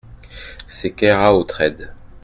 C’est Keraotred.